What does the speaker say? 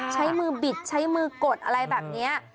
ใช้มือบิดใช้มือกดอะไรแบบนี้